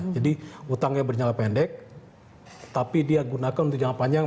jadi utangnya berjangka pendek tapi dia gunakan untuk jangka panjang